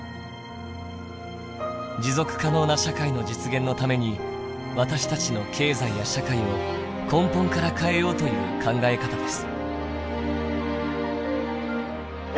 持続可能な社会の実現のために私たちの経済や社会を根本から変えようという考え方です。